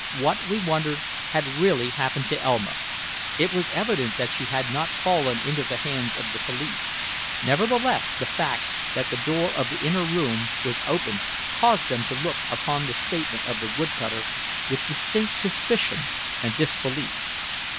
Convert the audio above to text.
What, we wondered, had really happened to Elma? It was evident that she had not fallen into the hands of the police; nevertheless, the fact that the door of the inner room was open caused them to look upon the statement of the wood cutter with distinct suspicion and disbelief.